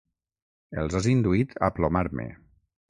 Els has induït a plomar-me.